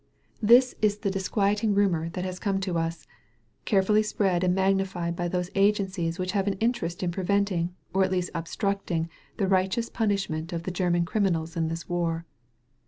That is the disquieting rumor which comes to 175 THE VALLEY OF VISION us» carefully spiead and magnified by those agencies which have an interest in preventing, or at least obstructing the righteous punishment of the Grerman criminab in this war.